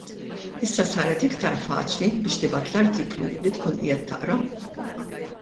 Issa saret iktar faċli biex tibgħat l-artiklu li tkun qiegħed taqra.